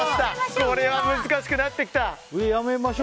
これは難しくなってきた。